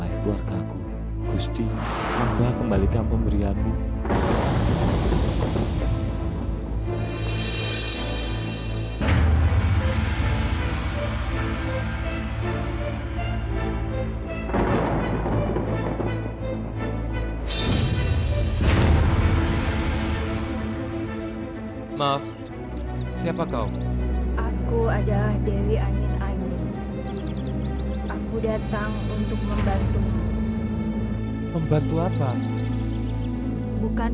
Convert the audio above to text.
ularnya besar sekali di di kebun wetan